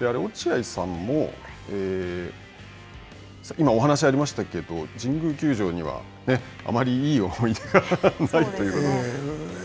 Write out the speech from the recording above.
落合さんも、今お話がありましたけど神宮球場には、あまりいい思い出がないということで。